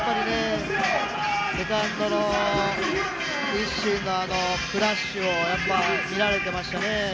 セカンドのＩＳＳＩＮのあのクラッシュをやっぱり見られていましたね。